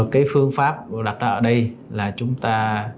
cái phương pháp đặt ra ở đây là chúng ta